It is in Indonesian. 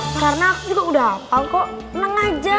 karena aku juga udah hafal kok tenang aja